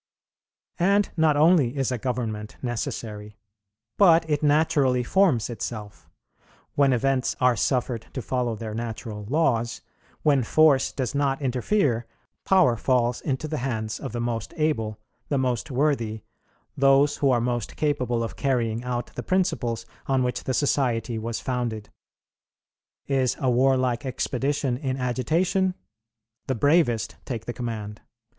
"And not only is a government necessary, but it naturally forms itself. ... When events are suffered to follow their natural laws, when force does not interfere, power falls into the hands of the most able, the most worthy, those who are most capable of carrying out the principles on which the society was founded. Is a warlike expedition in agitation? The bravest take the command.